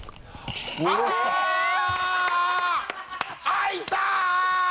開いた！